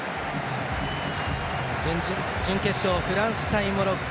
準決勝、フランス対モロッコ。